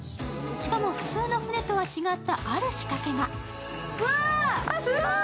しかも普通の船とは違ったある仕掛けが。